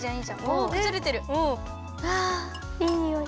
あいいにおい。